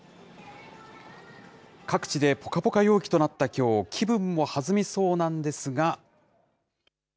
各地でぽかぽか陽気となったきょう、気分も弾みそうなんですが。